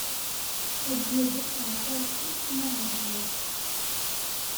Ad yadef ɣer tuṛkist n uɣerbaz.